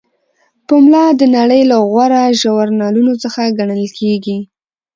پملا د نړۍ له غوره ژورنالونو څخه ګڼل کیږي.